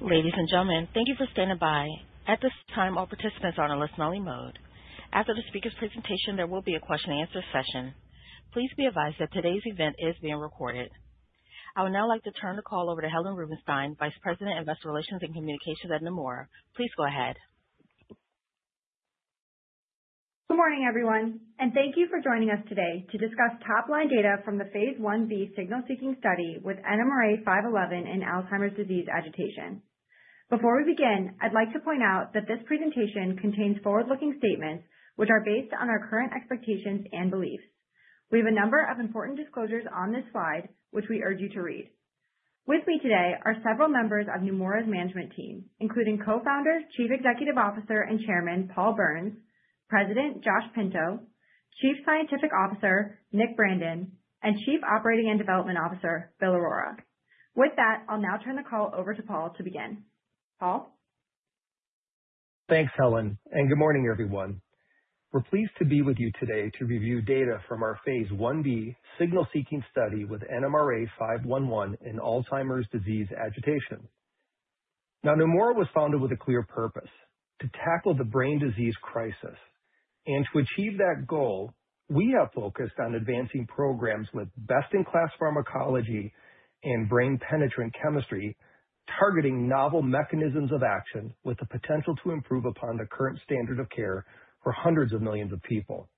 Ladies and gentlemen, thank you for standing by. At this time, all participants are on a listen-only mode. After the speaker's presentation, there will be a question-and-answer session. Please be advised that today's event is being recorded. I would now like to turn the call over to Helen Rubinstein, Vice President of Investor Relations and Communications at Neumora. Please go ahead. Good morning, everyone, and thank you for joining us today to discuss top-line data from the Signal-Seeking Study with NMRA-511 and Alzheimer's disease agitation. Before we begin, I'd like to point out that this presentation contains forward-looking statements which are based on our current expectations and beliefs. We have a number of important disclosures on this slide, which we urge you to read. With me today are several members of Neumora's management team, including Co-Founder, Chief Executive Officer, and Chairman Paul Berns, President Josh Pinto, Chief Scientific Officer Nick Brandon, and Chief Operating and Development Officer Bill Aurora. With that, I'll now turn the call over to Paul to begin. Paul? Thanks, Helen, and good morning, everyone. We're pleased to be with you today to review data from our Phase IB Signal-Seeking Study with NMRA-511 and Alzheimer's disease agitation. Now, Neumora was founded with a clear purpose: to tackle the brain disease crisis. And to achieve that goal, we have focused on advancing programs with best-in-class pharmacology and brain-penetrating chemistry, targeting novel mechanisms of action with the potential to improve upon the current standard of care for hundreds of millions of people.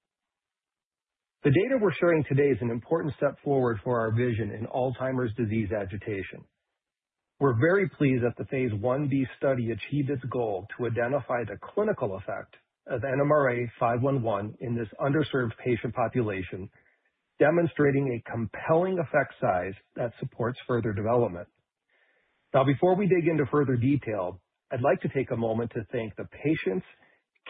The data we're sharing today is an important step forward for our vision in Alzheimer's disease agitation. We're very pleased that the Phase IB study achieved its goal to identify the clinical effect of NMRA-511 in this underserved patient population, demonstrating a compelling effect size that supports further development. Now, before we dig into further detail, I'd like to take a moment to thank the patients,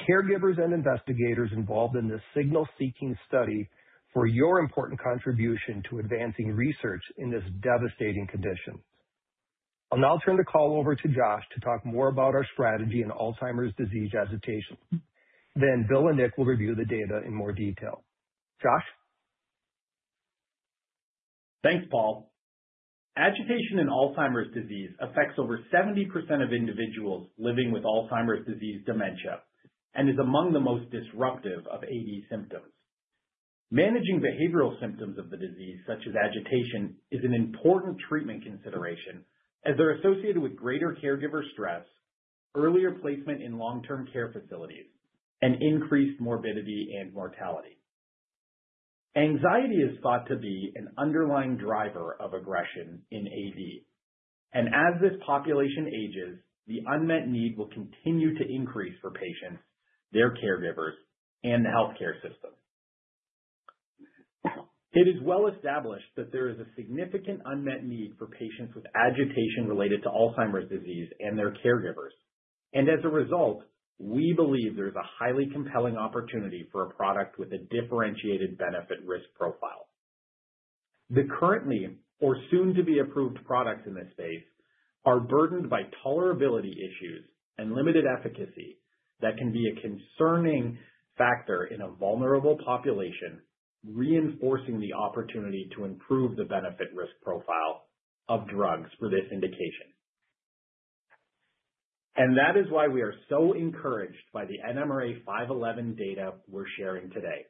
caregivers, and investigators involved in this Signal-Seeking Study for your important contribution to advancing research in this devastating condition. I'll now turn the call over to Josh to talk more about our strategy in Alzheimer's disease agitation. Then Bill and Nick will review the data in more detail. Josh? Thanks, Paul. Agitation in Alzheimer's disease affects over 70% of individuals living with Alzheimer's disease dementia and is among the most disruptive of AD symptoms. Managing behavioral symptoms of the disease, such as agitation, is an important treatment consideration as they're associated with greater caregiver stress, earlier placement in long-term care facilities, and increased morbidity and mortality. Anxiety is thought to be an underlying driver of aggression in AD, and as this population ages, the unmet need will continue to increase for patients, their caregivers, and the healthcare system. It is well established that there is a significant unmet need for patients with agitation related to Alzheimer's disease and their caregivers, and as a result, we believe there's a highly compelling opportunity for a product with a differentiated benefit-risk profile. The currently or soon-to-be-approved products in this space are burdened by tolerability issues and limited efficacy that can be a concerning factor in a vulnerable population, reinforcing the opportunity to improve the benefit-risk profile of drugs for this indication, and that is why we are so encouraged by the NMRA-511 data we're sharing today.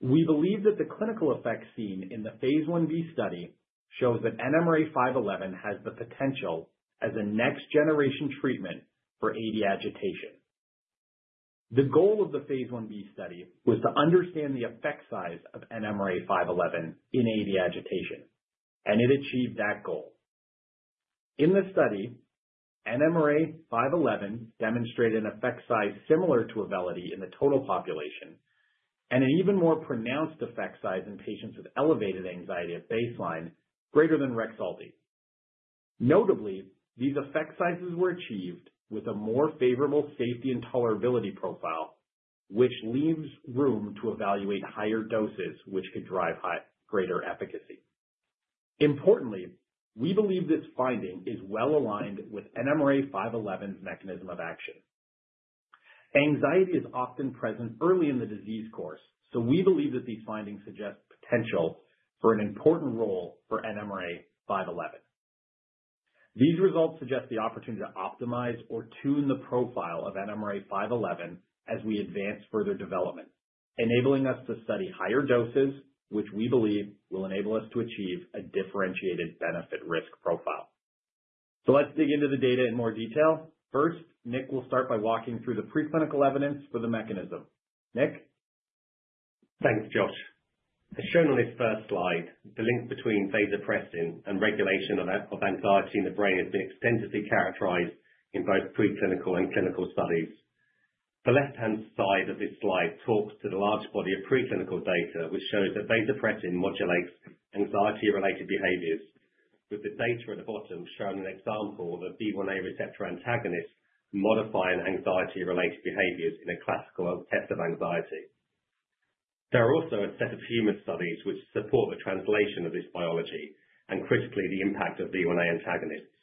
We believe that the clinical effect seen in the Phase IB study shows that NMRA-511 has the potential as a next-generation treatment for AD agitation. The goal of the Phase IB study was to understand the effect size of NMRA-511 in AD agitation, and it achieved that goal. In the study, NMRA-511 demonstrated an effect size similar to Auvelity in the total population and an even more pronounced effect size in patients with elevated anxiety at baseline, greater than Rexulti. Notably, these effect sizes were achieved with a more favorable safety and tolerability profile, which leaves room to evaluate higher doses, which could drive greater efficacy. Importantly, we believe this finding is well-aligned with NMRA-511's mechanism of action. Anxiety is often present early in the disease course, so we believe that these findings suggest potential for an important role for NMRA-511. These results suggest the opportunity to optimize or tune the profile of NMRA-511 as we advance further development, enabling us to study higher doses, which we believe will enable us to achieve a differentiated benefit-risk profile. So let's dig into the data in more detail. First, Nick will start by walking through the preclinical evidence for the mechanism. Nick? Thanks, Josh. As shown on this first slide, the link between vasopressin and regulation of anxiety in the brain has been extensively characterized in both preclinical and clinical studies. The left-hand side of this slide talks to the large body of preclinical data, which shows that vasopressin modulates anxiety-related behaviors, with the data at the bottom showing an example of a V1a receptor antagonist modifying anxiety-related behaviors in a classical test of anxiety. There are also a set of human studies which support the translation of this biology and, critically, the impact of V1a antagonists.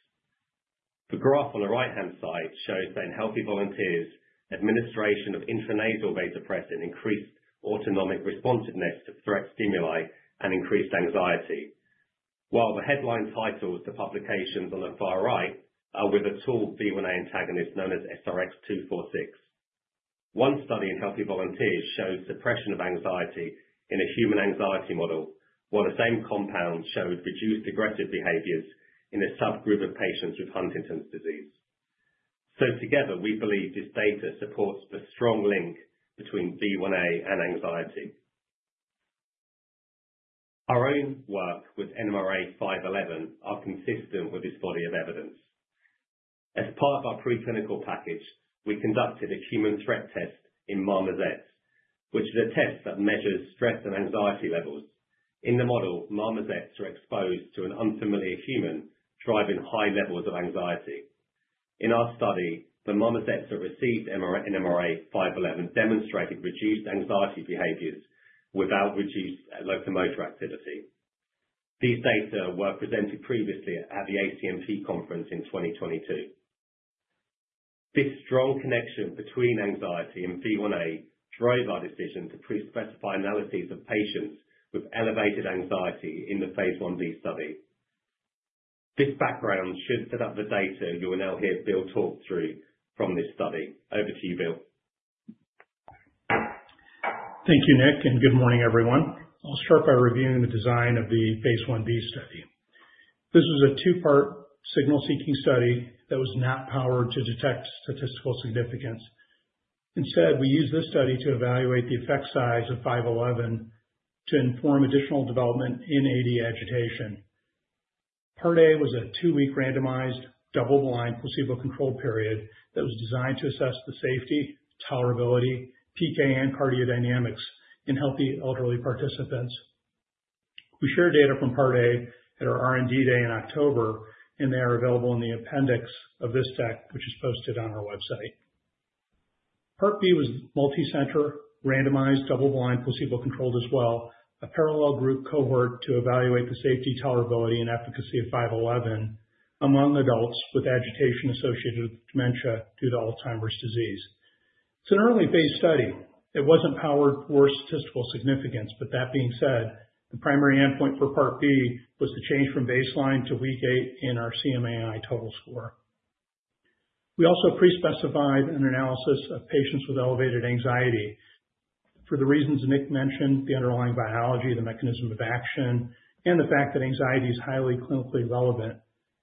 The graph on the right-hand side shows that in healthy volunteers, administration of intranasal vasopressin increased autonomic responsiveness to threat stimuli and increased anxiety, while the headline titles of the publications on the far right are with a V1a antagonist known as SRX246. One study in healthy volunteers showed suppression of anxiety in a human anxiety model, while the same compound showed reduced aggressive behaviors in a subgroup of patients with Huntington's disease. Together, we believe this data supports the strong link between V1a and anxiety. Our own work with NMRA-511 is consistent with this body of evidence. As part of our preclinical package, we conducted a human threat test in marmosets, which is a test that measures stress and anxiety levels. In the model, marmosets were exposed to an unfamiliar human driving high levels of anxiety. In our study, the marmosets that received NMRA-511 demonstrated reduced anxiety behaviors without reduced locomotor activity. These data were presented previously at the ACNP conference in 2022. This strong connection between anxiety and V1a drove our decision to pre-specify analyses of patients with elevated anxiety in the Phase IB study. This background should set up the data you will now hear Bill talk through from this study. Over to you, Bill. Thank you, Nick, and good morning, everyone. I'll start by reviewing the design of the Phase IB study. This was a two-part Signal-Seeking Study that was not powered to detect statistical significance. Instead, we used this study to evaluate the effect size of 511 to inform additional development in AD agitation. Part A was a two-week randomized double-blind placebo-controlled period that was designed to assess the safety, tolerability, PK, and cardiodynamics in healthy elderly participants. We shared data from Part A at our R&D day in October, and they are available in the appendix of this deck, which is posted on our website. Part B was multi-center randomized double-blind placebo-controlled as well, a parallel group cohort to evaluate the safety, tolerability, and efficacy of 511 among adults with agitation associated with dementia due to Alzheimer's disease. It's an early-phase study. It wasn't powered for statistical significance, but that being said, the primary endpoint for Part B was to change from baseline to week eight in our CMAI total score. We also pre-specified an analysis of patients with elevated anxiety for the reasons Nick mentioned: the underlying biology, the mechanism of action, and the fact that anxiety is highly clinically relevant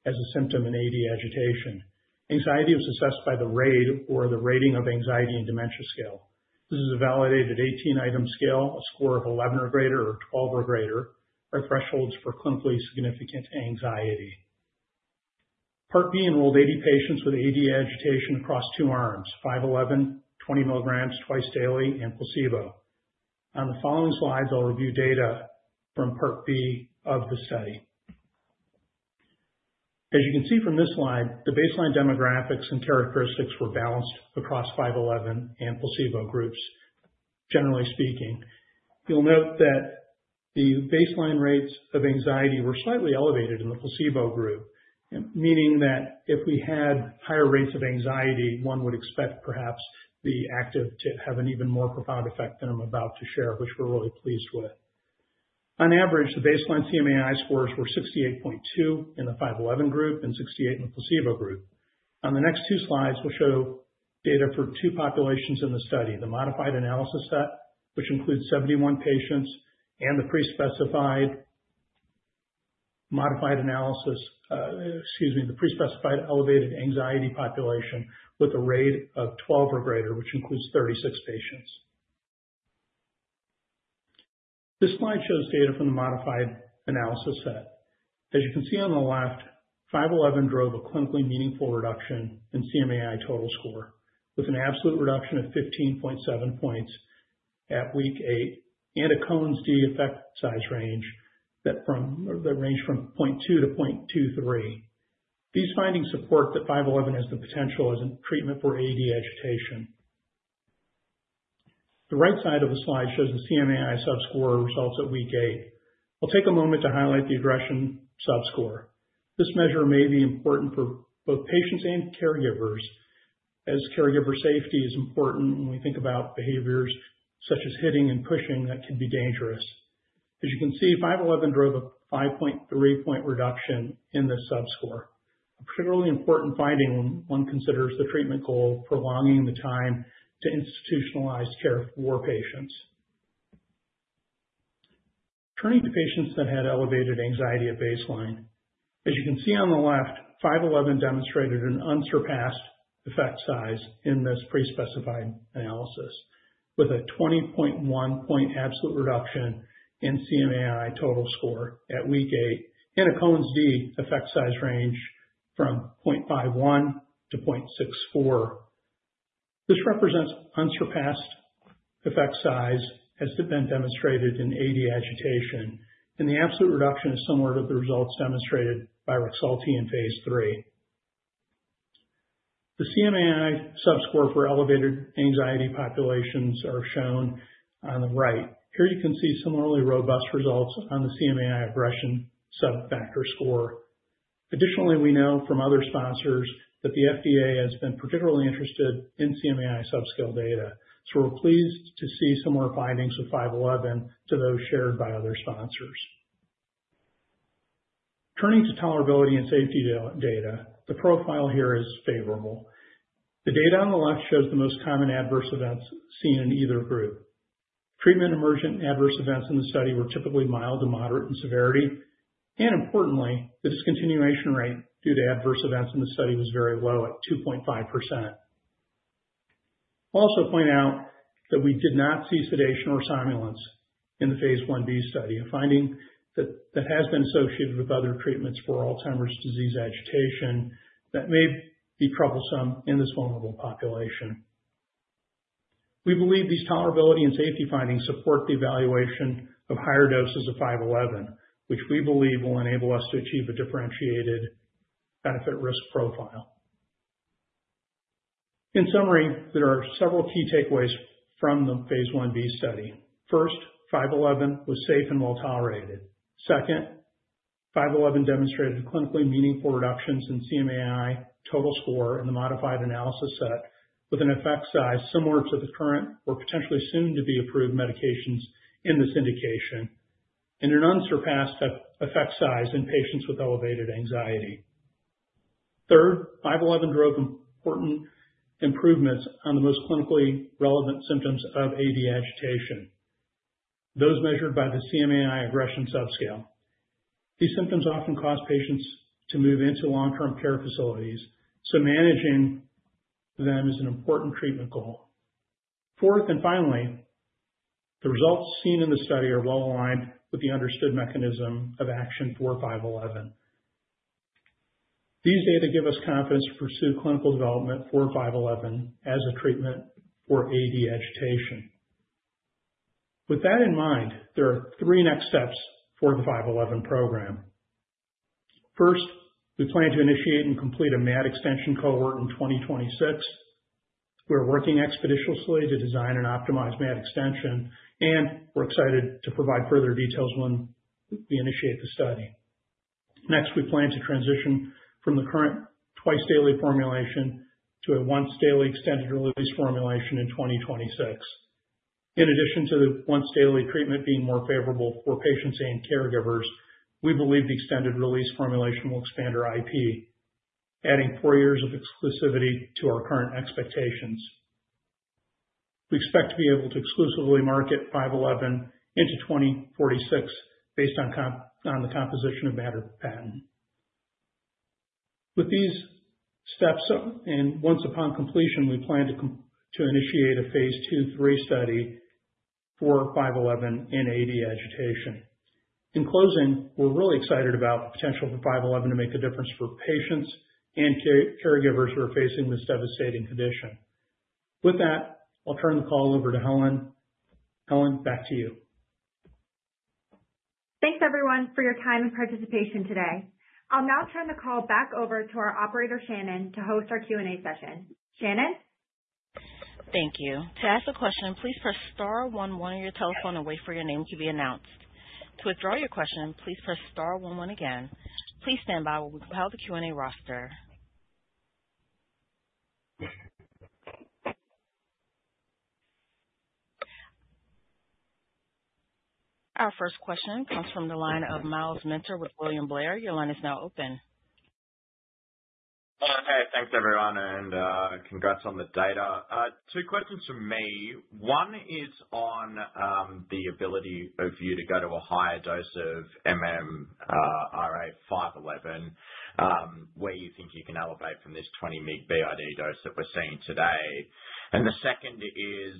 as a symptom in AD agitation. Anxiety was assessed by the RAID, or the Rating of Anxiety in Dementia Scale. This is a validated 18-item scale, a score of 11 or greater or 12 or greater, or thresholds for clinically significant anxiety. Part B enrolled 80 patients with AD agitation across two arms: 511, 20 mg twice daily, and placebo. On the following slides, I'll review data from Part B of the study. As you can see from this slide, the baseline demographics and characteristics were balanced across 511 and placebo groups, generally speaking. You'll note that the baseline rates of anxiety were slightly elevated in the placebo group, meaning that if we had higher rates of anxiety, one would expect perhaps the active to have an even more profound effect than I'm about to share, which we're really pleased with. On average, the baseline CMAI scores were 68.2 in the 511 group and 68 in the placebo group. On the next two slides, we'll show data for two populations in the study: the modified analysis set, which includes 71 patients, and the pre-specified elevated anxiety population with a RAID of 12 or greater, which includes 36 patients. This slide shows data from the modified analysis set. As you can see on the left, 511 drove a clinically meaningful reduction in CMAI total score, with an absolute reduction of 15.7 points at week eight and a Cohen's d effect size range that ranged from 0.2-0.23. These findings support that 511 has the potential as a treatment for AD agitation. The right side of the slide shows the CMAI subscore results at week eight. I'll take a moment to highlight the aggression subscore. This measure may be important for both patients and caregivers, as caregiver safety is important when we think about behaviors such as hitting and pushing that can be dangerous. As you can see, 511 drove a 5.3-point reduction in the subscore, a particularly important finding when one considers the treatment goal of prolonging the time to institutionalize care for patients. Turning to patients that had elevated anxiety at baseline, as you can see on the left, 511 demonstrated an unsurpassed effect size in this pre-specified analysis, with a 20.1-point absolute reduction in CMAI total score at week eight and a Cohen's D effect size range from 0.51-0.64. This represents unsurpassed effect size as it had been demonstrated in AD agitation, and the absolute reduction is similar to the results demonstrated by Rexulti in Phase III. The CMAI subscore for elevated anxiety populations is shown on the right. Here you can see similarly robust results on the CMAI aggression sub-factor score. Additionally, we know from other sponsors that the FDA has been particularly interested in CMAI subscale data, so we're pleased to see similar findings with 511 to those shared by other sponsors. Turning to tolerability and safety data, the profile here is favorable. The data on the left shows the most common adverse events seen in either group. Treatment-emergent adverse events in the study were typically mild to moderate in severity, and importantly, the discontinuation rate due to adverse events in the study was very low at 2.5%. I'll also point out that we did not see sedation or somnolence in the Phase IB study, a finding that has been associated with other treatments for Alzheimer's disease agitation that may be troublesome in this vulnerable population. We believe these tolerability and safety findings support the evaluation of higher doses of 511, which we believe will enable us to achieve a differentiated benefit-risk profile. In summary, there are several key takeaways from the Phase IB study. First, 511 was safe and well tolerated. Second, 511 demonstrated clinically meaningful reductions in CMAI total score in the modified analysis set, with an effect size similar to the current or potentially soon-to-be-approved medications in this indication, and an unsurpassed effect size in patients with elevated anxiety. Third, 511 drove important improvements on the most clinically relevant symptoms of AD agitation, those measured by the CMAI aggression subscale. These symptoms often cause patients to move into long-term care facilities, so managing them is an important treatment goal. Fourth and finally, the results seen in the study are well-aligned with the understood mechanism of action for 511. These data give us confidence to pursue clinical development for 511 as a treatment for AD agitation. With that in mind, there are three next steps for the 511 program. First, we plan to initiate and complete a MAD extension cohort in 2026. We're working expeditiously to design and optimize MAD extension, and we're excited to provide further details when we initiate the study. Next, we plan to transition from the current twice-daily formulation to a once-daily extended-release formulation in 2026. In addition to the once-daily treatment being more favorable for patients and caregivers, we believe the extended-release formulation will expand our IP, adding four years of exclusivity to our current expectations. We expect to be able to exclusively market 511 into 2046 based on the composition of matter or patent. With these steps, and once upon completion, we plan to initiate a Phase II/III study for 511 in AD agitation. In closing, we're really excited about the potential for 511 to make a difference for patients and caregivers who are facing this devastating condition. With that, I'll turn the call over to Helen. Helen, back to you. Thanks, everyone, for your time and participation today. I'll now turn the call back over to our operator, Shannon, to host our Q&A session. Shannon? Thank you. To ask a question, please press star one one on your telephone and wait for your name to be announced. To withdraw your question, please press star one one again. Please stand by while we compile the Q&A roster. Our first question comes from the line of Myles Minter with William Blair. Your line is now open. Hi. Thanks, everyone, and congrats on the data. Two questions for me. One is on the ability of you to go to a higher dose of MRA-511, where you think you can elevate from this 20mg BID dose that we're seeing today. And the second is,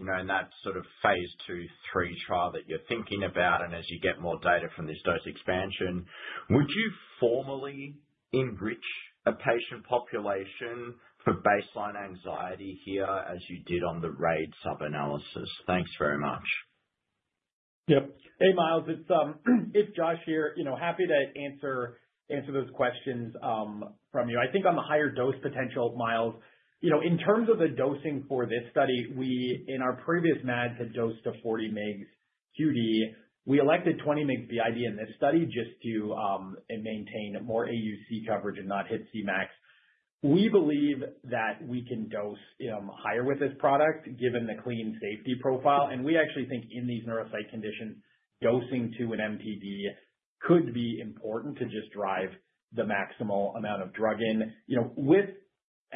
in that sort of Phase II/III trial that you're thinking about and as you get more data from this dose expansion, would you formally enrich a patient population for baseline anxiety here as you did on the RAID sub-analysis? Thanks very much. Yep. Hey, Myles. It's Josh here. Happy to answer those questions from you. I think on the higher dose potential, Myles, in terms of the dosing for this study, in our previous MAD, it had dosed to 40 mg QD. We elected 20 mg BID in this study just to maintain more AUC coverage and not hit C-MAX. We believe that we can dose higher with this product given the clean safety profile. And we actually think in these neuropsych conditions, dosing to an MTD could be important to just drive the maximal amount of drug in. With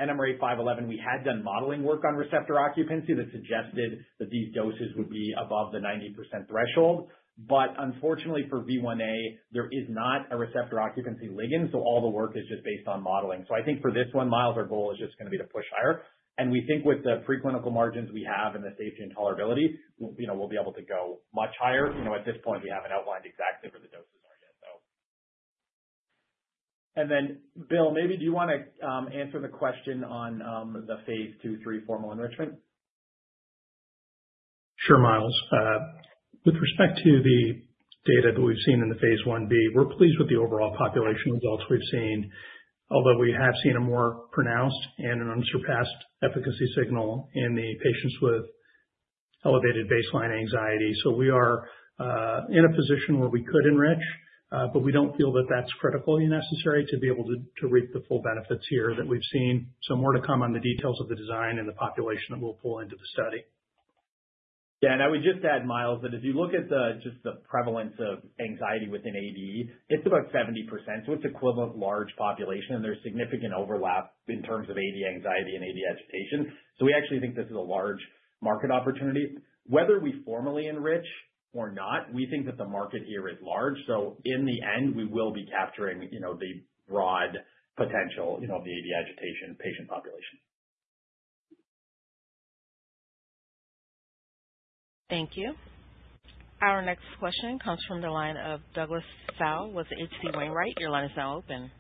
NMRA-511, we had done modeling work on receptor occupancy that suggested that these doses would be above the 90% threshold. But unfortunately, for V1a, there is not a receptor occupancy ligand, so all the work is just based on modeling. So I think for this one, Myles, our goal is just going to be to push higher. And we think with the pre-clinical margins we have and the safety and tolerability, we'll be able to go much higher. At this point, we haven't outlined exactly where the doses are yet, though. And then, Bill, maybe do you want to answer the question on the Phase II, Phase II formal enrichment? Sure, Myles. With respect to the data that we've seen in the Phase IB, we're pleased with the overall population results we've seen, although we have seen a more pronounced and an unsurpassed efficacy signal in the patients with elevated baseline anxiety. So we are in a position where we could enrich, but we don't feel that that's critically necessary to be able to reap the full benefits here that we've seen. So more to come on the details of the design and the population that we'll pull into the study. Yeah, and I would just add, Myles, that if you look at just the prevalence of anxiety within AD, it's about 70%, so it's an equivalent large population, and there's significant overlap in terms of AD anxiety and AD agitation, so we actually think this is a large market opportunity. Whether we formally enrich or not, we think that the market here is large, so in the end, we will be capturing the broad potential of the AD agitation patient population. Thank you. Our next question comes from the line of Douglas Tsao with H.C. Wainwright. Your line is now open.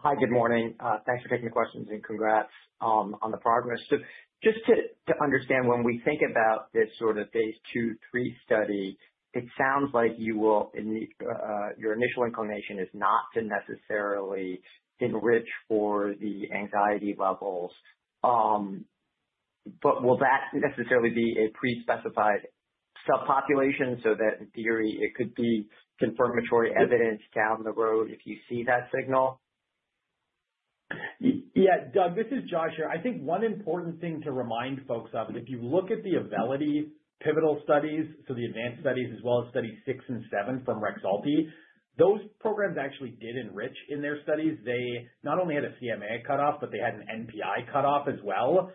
Hi. Good morning. Thanks for taking the questions and congrats on the progress. So just to understand, when we think about this sort of Phase II, Phase III study, it sounds like your initial inclination is not to necessarily enrich for the anxiety levels. But will that necessarily be a pre-specified subpopulation so that in theory, it could be confirmatory evidence down the road if you see that signal? Yeah. Doug, this is Josh here. I think one important thing to remind folks of is if you look at the Auvelity pivotal studies, so the ADVANCE studies, as well as study six and seven from Rexulti, those programs actually did enrich in their studies. They not only had a CMAI cutoff, but they had an NPI cutoff as well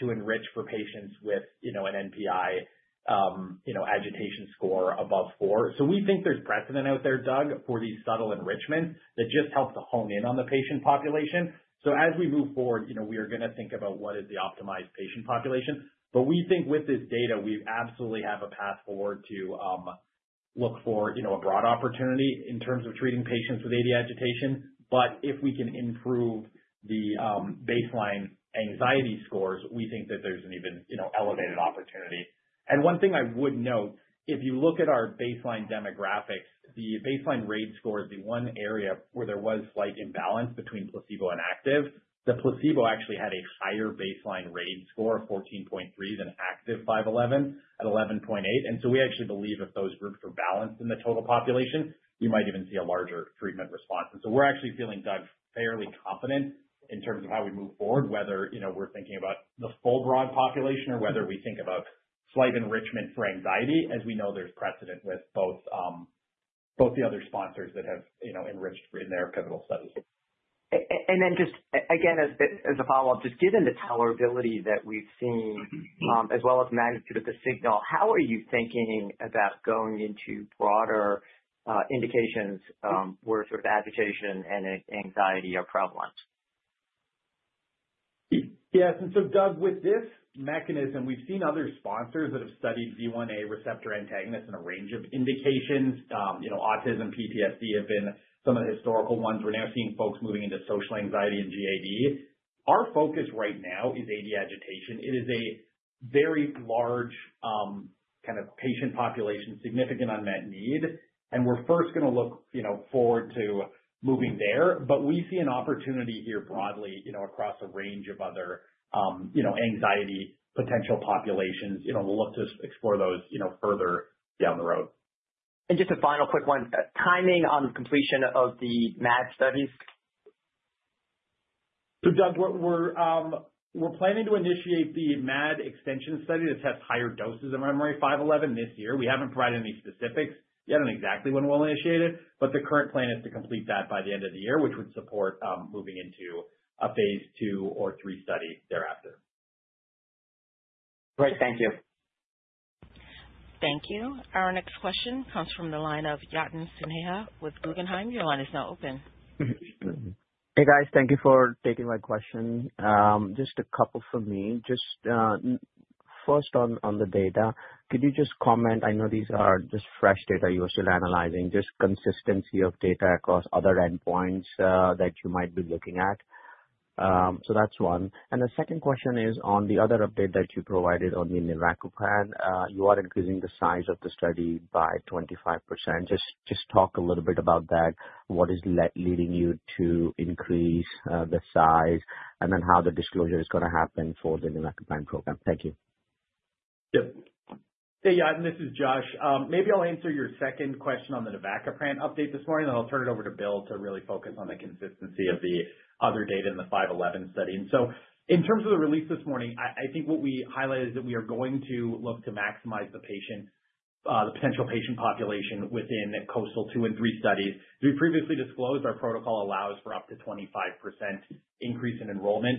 to enrich for patients with an NPI agitation score above four. So we think there's precedent out there, Doug, for these subtle enrichments that just help to hone in on the patient population. So as we move forward, we are going to think about what is the optimized patient population. But we think with this data, we absolutely have a path forward to look for a broad opportunity in terms of treating patients with AD agitation. But if we can improve the baseline anxiety scores, we think that there's an even elevated opportunity. And one thing I would note, if you look at our baseline demographics, the baseline RAID score is the one area where there was slight imbalance between placebo and active. The placebo actually had a higher baseline RAID score of 14.3 than active 511 at 11.8. And so we actually believe if those groups are balanced in the total population, you might even see a larger treatment response. And so we're actually feeling, Doug, fairly confident in terms of how we move forward, whether we're thinking about the full broad population or whether we think about slight enrichment for anxiety, as we know there's precedent with both the other sponsors that have enriched in their pivotal studies. And then just, again, as a follow-up, just given the tolerability that we've seen, as well as magnitude of the signal, how are you thinking about going into broader indications where sort of agitation and anxiety are prevalent? Yes. And so, Doug, with this mechanism, we've seen other sponsors that have studied V1a receptor antagonists in a range of indications. Autism, PTSD have been some of the historical ones. We're now seeing folks moving into social anxiety and GAD. Our focus right now is AD agitation. It is a very large kind of patient population, significant unmet need. And we're first going to look forward to moving there. But we see an opportunity here broadly across a range of other anxiety potential populations. We'll look to explore those further down the road. And just a final quick one. Timing on completion of the MAD studies? Doug, we're planning to initiate the MAD extension study that tests higher doses of NMRA-511 this year. We haven't provided any specifics yet on exactly when we'll initiate it. The current plan is to complete that by the end of the year, which would support moving into a Phase II or three study thereafter. Great. Thank you. Thank you. Our next question comes from the line of Yatin Suneja with Guggenheim. Your line is now open. Hey, guys. Thank you for taking my question. Just a couple for me. Just first on the data, could you just comment? I know these are just fresh data you're still analyzing, just consistency of data across other endpoints that you might be looking at. So that's one. And the second question is on the other update that you provided on the navacaprant, you are increasing the size of the study by 25%. Just talk a little bit about that. What is leading you to increase the size and then how the disclosure is going to happen for the navacaprant program? Thank you. Yep. Hey, Yatin. This is Josh. Maybe I'll answer your second question on the navacaprant update this morning, then I'll turn it over to Bill to really focus on the consistency of the other data in the 511 study. And so in terms of the release this morning, I think what we highlighted is that we are going to look to maximize the potential patient population within KOASTAL-2 and 3 studies. We previously disclosed our protocol allows for up to 25% increase in enrollment.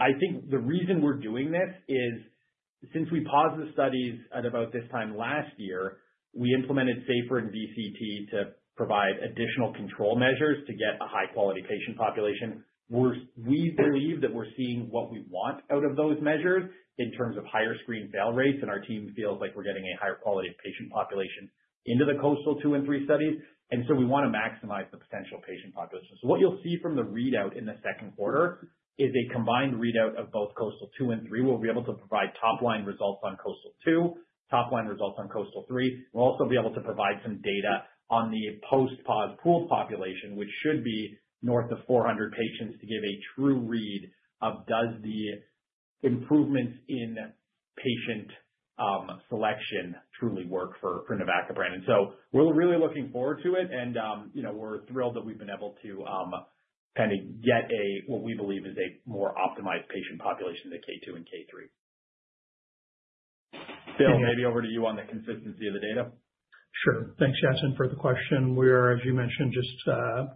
I think the reason we're doing this is since we paused the studies at about this time last year, we implemented SAFER and VCT to provide additional control measures to get a high-quality patient population. We believe that we're seeing what we want out of those measures in terms of higher screen fail rates. And our team feels like we're getting a higher quality of patient population into the KOASTAL-2 and KOASTAL-3 studies. And so we want to maximize the potential patient population. So what you'll see from the readout in the second quarter is a combined readout of both KOASTAL-2 and KOASTAL-3. We'll be able to provide top-line results on KOASTAL-2, top-line results on KOASTAL-3. We'll also be able to provide some data on the post-pause pooled population, which should be north of 400 patients to give a true read of does the improvements in patient selection truly work for navacaprant. And so we're really looking forward to it. And we're thrilled that we've been able to kind of get what we believe is a more optimized patient population in the KOASTAL-2 and KOASTAL-3. Bill, maybe over to you on the consistency of the data. Sure. Thanks, Yatin, for the question. We are, as you mentioned, just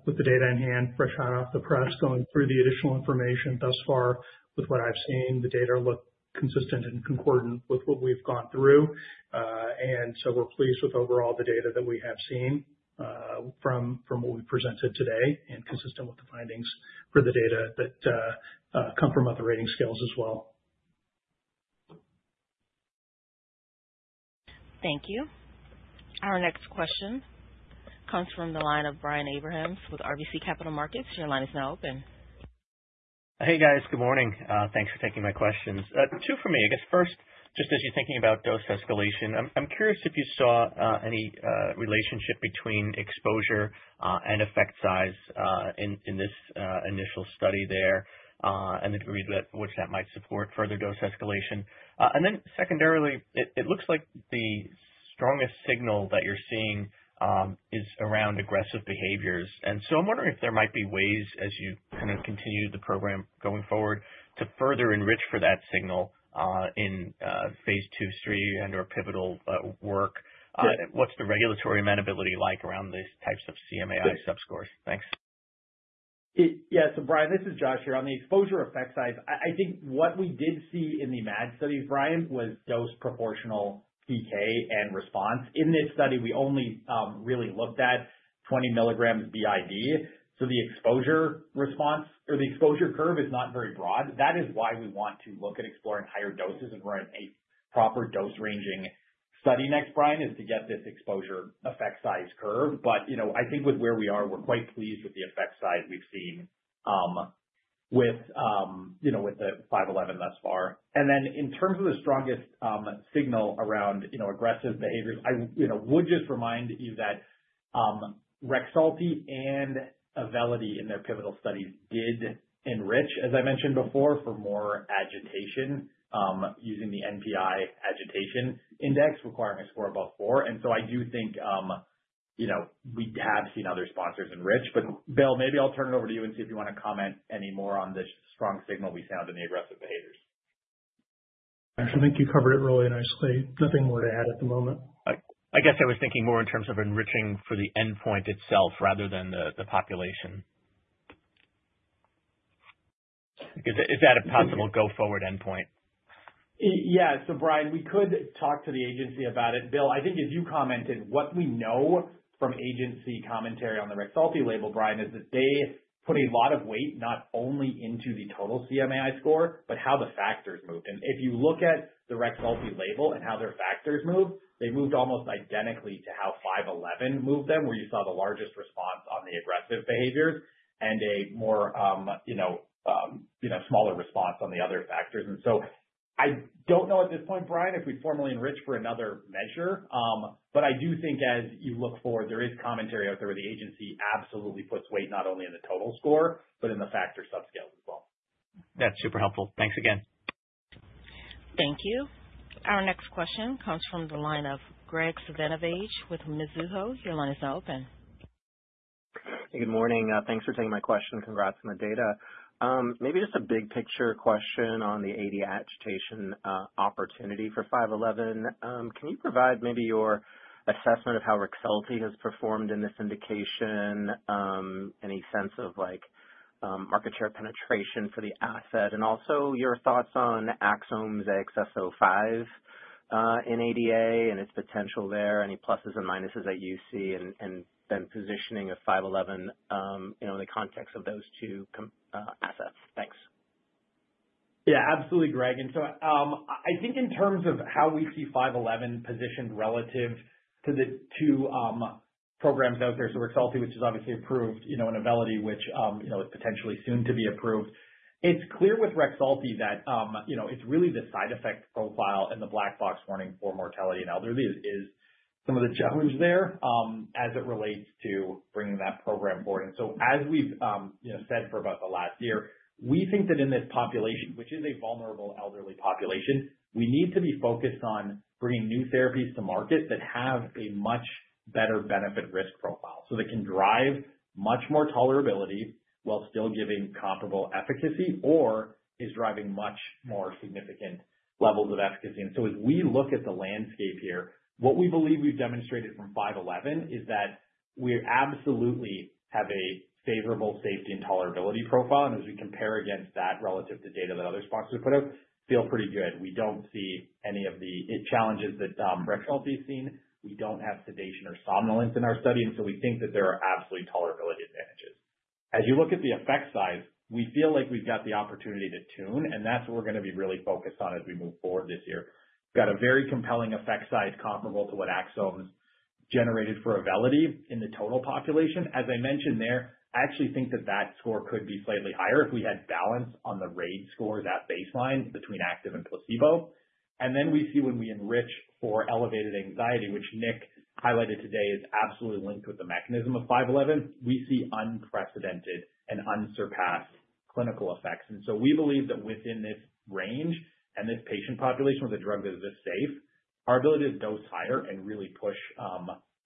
with the data in hand, fresh, hot off the press, going through the additional information. Thus far, with what I've seen, the data look consistent and concordant with what we've gone through, and so we're pleased with overall the data that we have seen from what we've presented today and consistent with the findings for the data that come from other rating scales as well. Thank you. Our next question comes from the line of Brian Abrahams with RBC Capital Markets. Your line is now open. Hey, guys. Good morning. Thanks for taking my questions. Two for me. I guess first, just as you're thinking about dose escalation, I'm curious if you saw any relationship between exposure and effect size in this initial study there and the degree to which that might support further dose escalation? And then secondarily, it looks like the strongest signal that you're seeing is around aggressive behaviors. And so I'm wondering if there might be ways, as you kind of continue the program going forward, to further enrich for that signal in Phase II, III and/or pivotal work? What's the regulatory amenability like around these types of CMAI sub-scores? Thanks. Yeah. So Brian, this is Josh here. On the exposure effect side, I think what we did see in the MAD studies, Brian, was dose-proportional PK and response. In this study, we only really looked at 20 mg BID. So the exposure response or the exposure curve is not very broad. That is why we want to look at exploring higher doses. And we're in a proper dose-ranging study next, Brian, is to get this exposure effect size curve. But I think with where we are, we're quite pleased with the effect size we've seen with the 511 thus far. And then in terms of the strongest signal around aggressive behaviors, I would just remind you that Rexulti and Auvelity in their pivotal studies did enrich, as I mentioned before, for more agitation using the NPI agitation index, requiring a score above four. And so I do think we have seen other sponsors enrich. But Bill, maybe I'll turn it over to you and see if you want to comment any more on the strong signal we found in the aggressive behaviors. Actually, I think you covered it really nicely. Nothing more to add at the moment. I guess I was thinking more in terms of enriching for the endpoint itself rather than the population. Is that a possible go-forward endpoint? Yeah. So Brian, we could talk to the agency about it. Bill, I think as you commented, what we know from agency commentary on the Rexulti label, Brian, is that they put a lot of weight not only into the total CMAI score, but how the factors moved. And if you look at the Rexulti label and how their factors moved, they moved almost identically to how 511 moved them, where you saw the largest response on the aggressive behaviors and a more smaller response on the other factors. And so I don't know at this point, Brian, if we'd formally enrich for another measure. But I do think as you look forward, there is commentary out there where the agency absolutely puts weight not only in the total score, but in the factor sub-scales as well. That's super helpful. Thanks again. Thank you. Our next question comes from the line of Graig Suvannavejh with Mizuho. Your line is now open. Hey, good morning. Thanks for taking my question. Congrats on the data. Maybe just a big-picture question on the AD agitation opportunity for 511. Can you provide maybe your assessment of how Rexulti has performed in this indication? Any sense of market share penetration for the asset? And also your thoughts on Axsome's AXS-05 in AD agitation and its potential there? Any pluses and minuses that you see? And then positioning of 511 in the context of those two assets. Thanks. Yeah. Absolutely, Graig, and so I think in terms of how we see 511 positioned relative to the two programs out there, so Rexulti, which is obviously approved, and Auvelity, which is potentially soon to be approved. It's clear with Rexulti that it's really the side effect profile and the black box warning for mortality and elderly is some of the challenge there as it relates to bringing that program forward, and so as we've said for about the last year, we think that in this population, which is a vulnerable elderly population, we need to be focused on bringing new therapies to market that have a much better benefit-risk profile so that can drive much more tolerability while still giving comparable efficacy or is driving much more significant levels of efficacy. And so as we look at the landscape here, what we believe we've demonstrated from 511 is that we absolutely have a favorable safety and tolerability profile. And as we compare against that relative to data that other sponsors put out, feel pretty good. We don't see any of the challenges that Rexulti has seen. We don't have sedation or somnolence in our study. And so we think that there are absolute tolerability advantages. As you look at the effect size, we feel like we've got the opportunity to tune. And that's what we're going to be really focused on as we move forward this year. We've got a very compelling effect size comparable to what Axsome's generated for Auvelity in the total population. As I mentioned there, I actually think that that score could be slightly higher if we had balanced on the RAID score at baseline between active and placebo. And then we see when we enrich for elevated anxiety, which Nick highlighted today is absolutely linked with the mechanism of 511, we see unprecedented and unsurpassed clinical effects. And so we believe that within this range and this patient population with a drug that is safe, our ability to dose higher and really push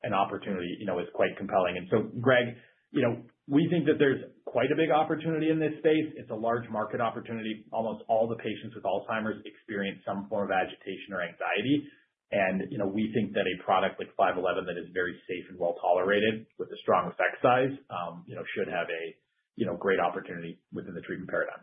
an opportunity is quite compelling. And so, Graig, we think that there's quite a big opportunity in this space. It's a large market opportunity. Almost all the patients with Alzheimer's experience some form of agitation or anxiety. And we think that a product like 511 that is very safe and well tolerated with a strong effect size should have a great opportunity within the treatment paradigm.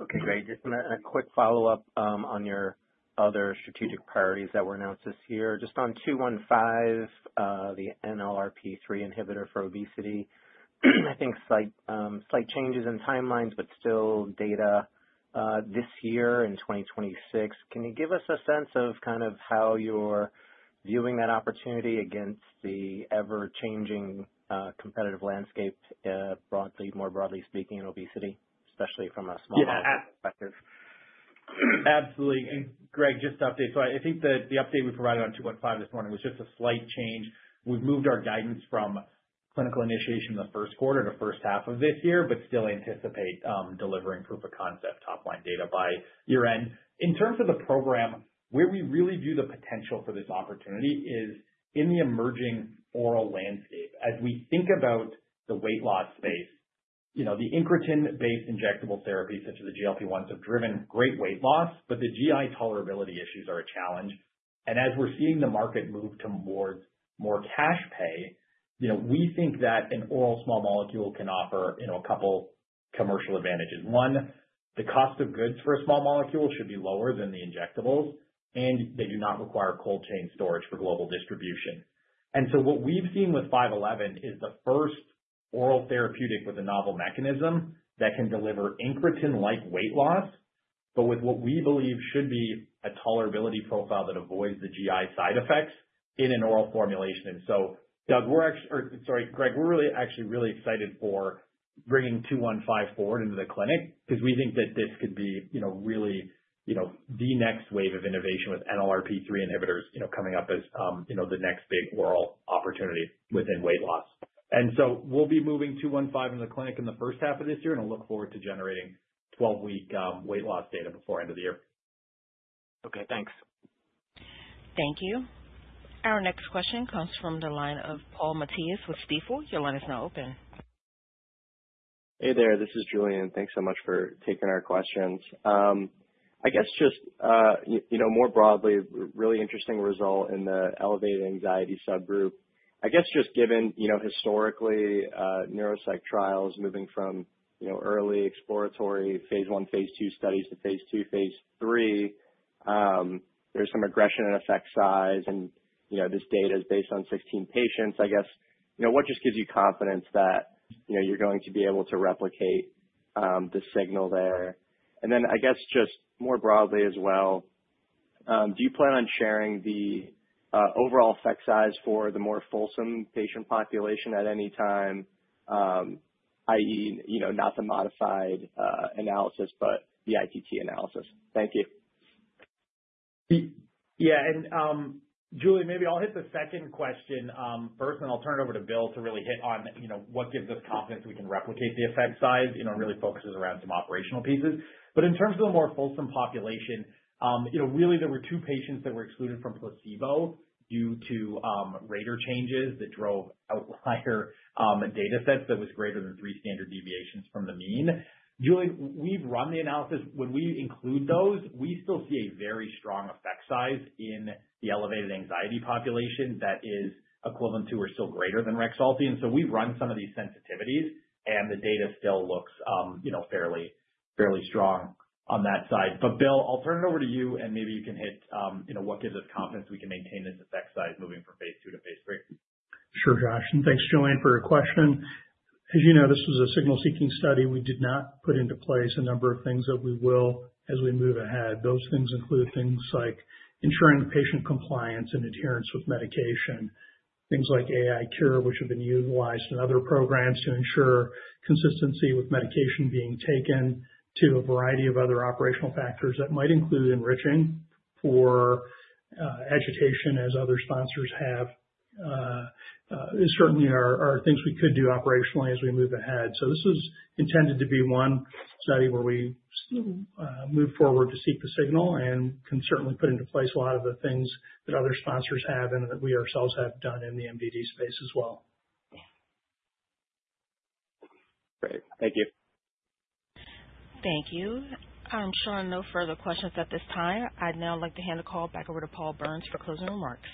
Okay, Graig, just a quick follow-up on your other strategic priorities that were announced this year. Just on 215, the NLRP3 inhibitor for obesity, I think slight changes in timelines, but still data this year in 2026. Can you give us a sense of kind of how you're viewing that opportunity against the ever-changing competitive landscape, more broadly speaking, in obesity, especially from a small molecule perspective? Yeah. Absolutely. And Graig, just to update, so I think that the update we provided on 215 this morning was just a slight change. We've moved our guidance from clinical initiation in the first quarter to first half of this year, but still anticipate delivering proof of concept top-line data by year-end. In terms of the program, where we really view the potential for this opportunity is in the emerging oral landscape. As we think about the weight loss space, the incretin-based injectable therapies such as the GLP-1s have driven great weight loss, but the GI tolerability issues are a challenge. And as we're seeing the market move towards more cash pay, we think that an oral small molecule can offer a couple of commercial advantages. One, the cost of goods for a small molecule should be lower than the injectables, and they do not require cold chain storage for global distribution. And so what we've seen with 511 is the first oral therapeutic with a novel mechanism that can deliver incretin-like weight loss, but with what we believe should be a tolerability profile that avoids the GI side effects in an oral formulation. And so, Doug, we're actually, sorry, Graig, we're really actually really excited for bringing 215 forward into the clinic because we think that this could be really the next wave of innovation with NLRP3 inhibitors coming up as the next big oral opportunity within weight loss. And so we'll be moving 215 into the clinic in the first half of this year, and I'll look forward to generating 12-week weight loss data before the end of the year. Okay. Thanks. Thank you. Our next question comes from the line of Paul Matteis with Stifel. Your line is now open. Hey there. This is Julian. Thanks so much for taking our questions. I guess just more broadly, really interesting result in the elevated anxiety subgroup. I guess just given historically neuropsych trials moving from early exploratory phase one, Phase II studies to Phase II, Phase III, there's some aggression and effect size. And this data is based on 16 patients. I guess what just gives you confidence that you're going to be able to replicate the signal there? And then I guess just more broadly as well, do you plan on sharing the overall effect size for the more fulsome patient population at any time, i.e., not the modified analysis, but the ITT analysis? Thank you. Yeah. And Julian, maybe I'll hit the second question first, and I'll turn it over to Bill to really hit on what gives us confidence we can replicate the effect size and really focuses around some operational pieces. But in terms of the more fulsome population, really there were two patients that were excluded from placebo due to rater changes that drove outlier data sets that was greater than three standard deviations from the mean. Julian, we've run the analysis. When we include those, we still see a very strong effect size in the elevated anxiety population that is equivalent to or still greater than Rexulti. And so we've run some of these sensitivities, and the data still looks fairly strong on that side. But Bill, I'll turn it over to you, and maybe you can hit what gives us confidence we can maintain this effect size moving from Phase II to Phase III. Sure, Josh, and thanks, Julian, for your question. As you know, this was a Signal-Seeking Study. We did not put into place a number of things that we will as we move ahead. Those things include things like ensuring patient compliance and adherence with medication, things like AiCure, which have been utilized in other programs to ensure consistency with medication being taken, to a variety of other operational factors that might include enriching for agitation, as other sponsors have certainly done. These are things we could do operationally as we move ahead, so this is intended to be one study where we move forward to seek the signal and can certainly put into place a lot of the things that other sponsors have and that we ourselves have done in the MDD space as well. Great. Thank you. Thank you. I'm sure no further questions at this time. I'd now like to hand the call back over to Paul Berns for closing remarks.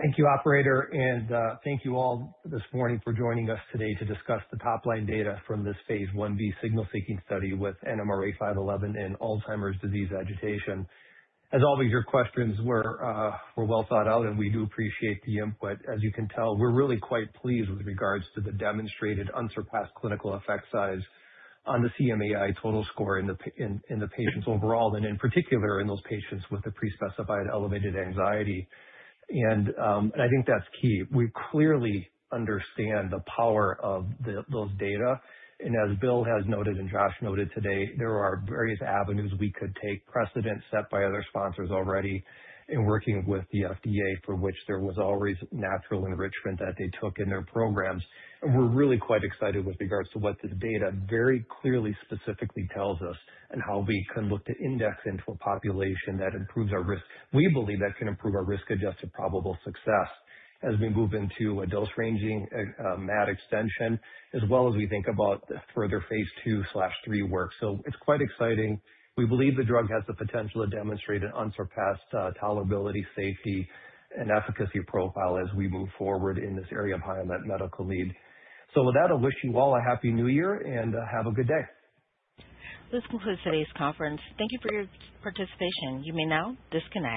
Thank you, operator. And thank you all this morning for joining us today to discuss the top-line data from this Phase IB Signal-Seeking Study with NMRA-511 and Alzheimer's disease agitation. As always, your questions were well thought out, and we do appreciate the input. As you can tell, we're really quite pleased with regards to the demonstrated unsurpassed clinical effect size on the CMAI total score in the patients overall, and in particular in those patients with the prespecified elevated anxiety. And I think that's key. We clearly understand the power of those data. And as Bill has noted and Josh noted today, there are various avenues we could take, precedent set by other sponsors already in working with the FDA, for which there was always natural enrichment that they took in their programs. We're really quite excited with regards to what this data very clearly specifically tells us and how we can look to index into a population that improves our risk. We believe that can improve our risk-adjusted probable success as we move into a dose-ranging MAD extension, as well as we think about further Phase II/three work. It's quite exciting. We believe the drug has the potential to demonstrate an unsurpassed tolerability, safety, and efficacy profile as we move forward in this area of high-impact medical need. With that, I wish you all a happy New Year and have a good day. This concludes today's conference. Thank you for your participation. You may now disconnect.